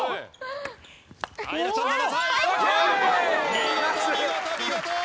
見事見事見事！